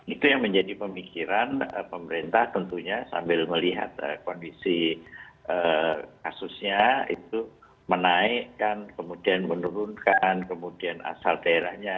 itu yang menjadi pemikiran pemerintah tentunya sambil melihat kondisi kasusnya itu menaikkan kemudian menurunkan kemudian asal daerahnya